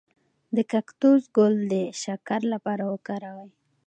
د کاکتوس ګل د شکر لپاره وکاروئ